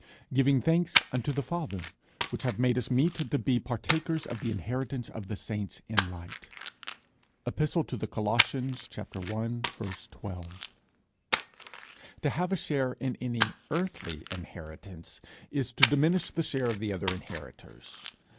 Giving thanks unto the Father, which hath made us meet to be partakers of the inheritance of the saints in light. Ep. to the Colossians i. 12. To have a share in any earthly inheritance, is to diminish the share of the other inheritors.